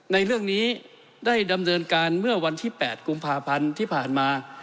ในเรื่องนี้ได้ดำเนินการเมื่อวันที่๘กุมภาพันธ์ที่ผ่านมา